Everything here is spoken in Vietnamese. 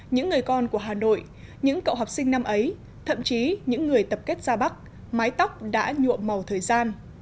những người con của hà nội những cậu học sinh năm ấy thậm chí những người tập kết ra bắc mái tóc đã nhuộm màu thời gian